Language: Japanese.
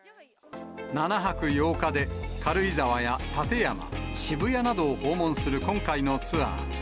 ７泊８日で、軽井沢や立山、渋谷などを訪問する今回のツアー。